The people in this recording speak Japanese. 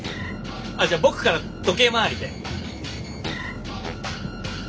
じゃあ僕から時計回りで。